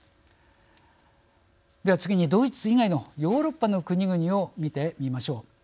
では次にドイツ以外のヨーロッパの国々を見てみましょう。